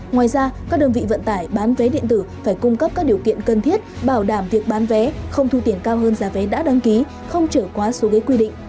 ngoài ra các đơn vị vận tải bán vé điện tử phải cung cấp các điều kiện cần thiết bảo đảm việc bán vé không thu tiền cao hơn giá vé đã đăng ký không trở quá số ghế quy định